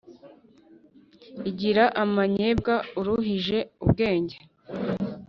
Igira amanyembwa aruhije ubwenge!